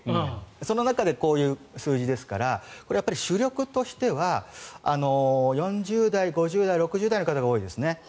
その中でこういう数字ですからこれは主力としては４０代、５０代、６０代の方が多いですね。